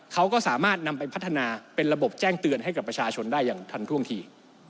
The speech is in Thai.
เขาก็สามารถนำไปพัฒนาเป็นระบบแจ้งเตือนให้กับประชาชนได้อย่างทันท่วงที